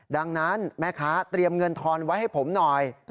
ดังนั้นแม่ค้าเตรียมเงินทอนไว้ให้ผมหน่อย